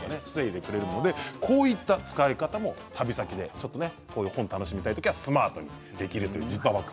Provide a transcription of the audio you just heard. こういった使い方も旅先で本を楽しみたい時はスマートにできるというジッパーバッグ